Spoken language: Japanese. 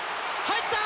入った！